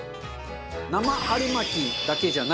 生春巻きだけじゃない！